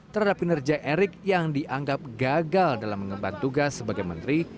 terhadap kinerja erick yang dianggap gagal dalam mengemban tugas sebagai menteri